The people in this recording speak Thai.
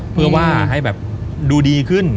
เพื่อว่าให้แบบดูดีขึ้น